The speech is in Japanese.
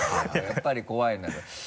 やっぱり怖いのよ。